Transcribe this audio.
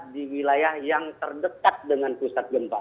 di wilayah yang terdekat dengan pusat gempa